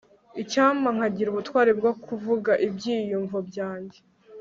icyampa nkagira ubutwari bwo kuvuga ibyiyumvo byanjye